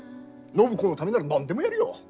暢子のためなら何でもやるよ！